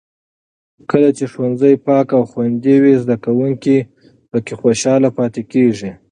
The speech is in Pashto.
کله چې ښوونځي پاک او خوندي وي، زده کوونکي پکې خوشحاله پاتې کېږي.